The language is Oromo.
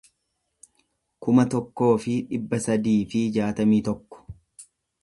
kuma tokkoo fi dhibba sadii fi jaatamii tokko